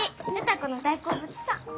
歌子の大好物さ。